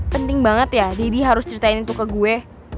penting banget ya didi harus ceritain itu ke gue